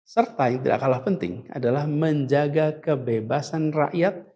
serta yang tidak kalah penting adalah menjaga kebebasan rakyat